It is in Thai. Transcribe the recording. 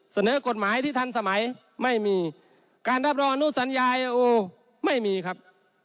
เสนอกฎหมายที่ทันสมัยไม่มีการรับรองอนุสัญญาโอ้ไม่มีครับ